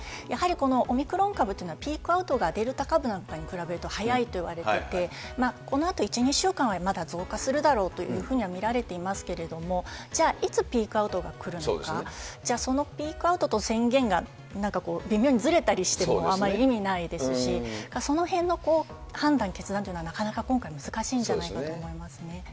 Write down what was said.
やはりこのオミクロン株というのは、ピークアウトがデルタ株なんかに比べると早いといわれてて、このあと１、２週間はまだ増加するだろうというふうには見られていますけれども、じゃあ、いつピークアウトが来るのか、じゃ、そのピークアウトと宣言がなんかこう、微妙にずれたりしてもあまり意味ないですし、そのへんの判断、決断というのはなかなか今回、難しいんじゃないかと思いますね。